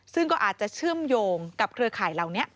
ซึ่งก็อาจจะเชื่อมโยงกับเครือข่ายเหล่านี้